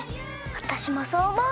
わたしもそうおもう！